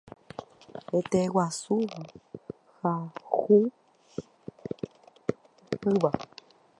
Heteguasúva ha hũngýva.